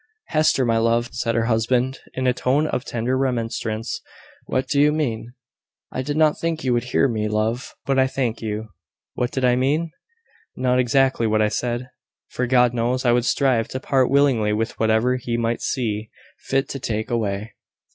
"Hester! my love!" said her husband, in a tone of tender remonstrance, "what do you mean?" "I did not think you would hear me, love; but I thank you. What did I mean? Not exactly what I said; for God knows, I would strive to part willingly with whatever he might see fit to take away.